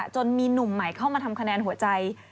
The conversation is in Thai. จนมีหนุ่มใหม่เข้ามาทำคะแนนหัวใจ